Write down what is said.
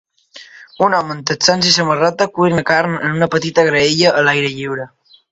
Un home amb texans i samarreta cuina carn en una petita graella a l'aire lliure.